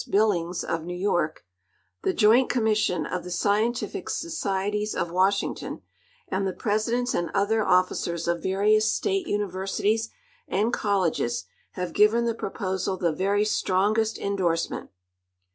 Billings, of New A'ork ; the Joint Commission of the Scientific Societies of Washington, and the presidents and other officers of various state universities and colleges have given the proposal the very strongest in dorsement.